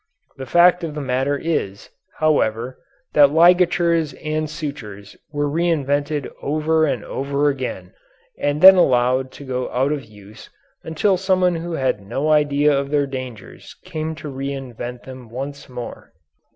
The fact of the matter is, however, that ligatures and sutures were reinvented over and over again and then allowed to go out of use until someone who had no idea of their dangers came to reinvent them once more.